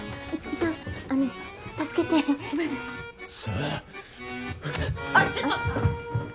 あちょっと！